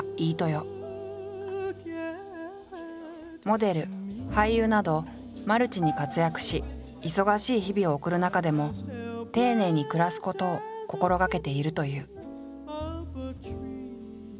モデル俳優などマルチに活躍し忙しい日々を送る中でも丁寧に暮らすことを心がけているという。